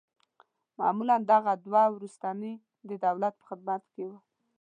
معمولاً دغه دوه وروستني د دولت په خدمت کې وه.